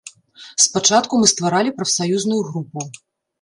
Спачатку мы стваралі прафсаюзную групу.